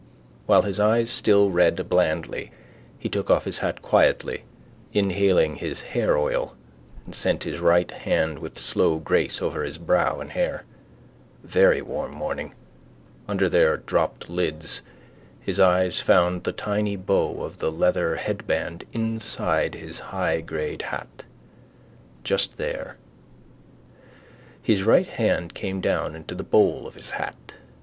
While his eyes still read blandly he took off his hat quietly inhaling his hairoil and sent his right hand with slow grace over his brow and hair. Very warm morning. Under their dropped lids his eyes found the tiny bow of the leather headband inside his high grade ha. Just there. His right hand came down into the bowl of his hat.